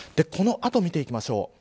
この後、見ていきましょう。